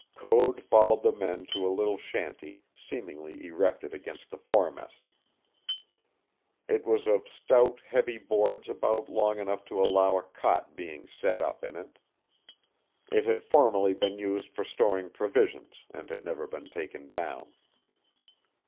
Code followed the men to a little shanty seemingly erected against the foremast. It was of stout, heavy boards about long enough to allow a cot being set up in it. It had formerly been used for storing provisions and had never been taken down.